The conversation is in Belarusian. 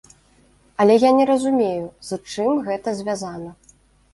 Але я не разумею, з чым гэта звязана.